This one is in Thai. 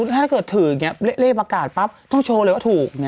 ถ้าเคยถือเลขปากกาจต้องโชว์เลยว่าถูก